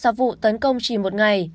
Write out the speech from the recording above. sau vụ tấn công chỉ một ngày